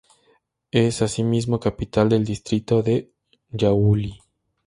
Es asimismo capital del distrito de Yauli.